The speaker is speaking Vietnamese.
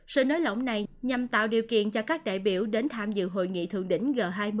sự nới lỏng này nhằm tạo điều kiện cho các đại biểu đến tham dự hội nghị thượng đỉnh g hai mươi